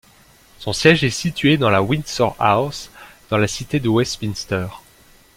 Son siège est situé dans la Windsor House dans la Cité de Westminster.